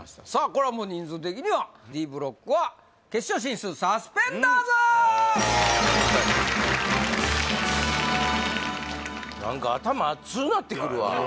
これはもう人数的にはＤブロックは決勝進出サスペンダーズなんか頭あつうなってくるわ